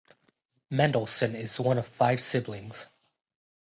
Mendelsohn is one of five siblings.